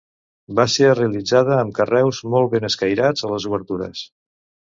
Va ser realitzada amb carreus molt ben escairats a les obertures.